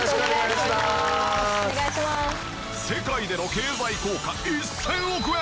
世界での経済効果１０００億円！